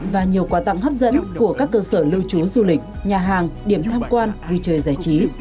và nhiều quà tặng hấp dẫn của các cơ sở lưu trú du lịch nhà hàng điểm tham quan vui chơi giải trí